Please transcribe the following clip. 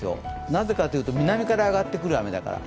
なぜかというと南から上がってくる雨だから。